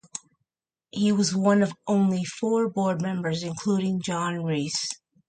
He was one of only four board members, including John Rees.